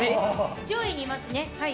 上位にいますね。